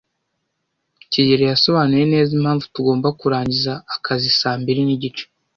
kigeli yasobanuye neza impamvu tugomba kurangiza akazi saa mbiri nigice.